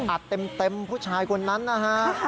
อัดเต็มผู้ชายคนนั้นนะฮะ